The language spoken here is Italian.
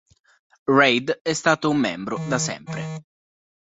Reid è stato un membro da sempre.